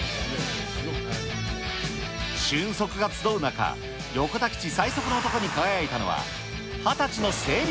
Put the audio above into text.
俊足が集う中、横田基地最速の男に輝いたのは、２０歳の整備